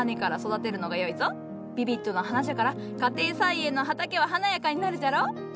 ビビッドな花じゃから家庭菜園の畑は華やかになるじゃろう。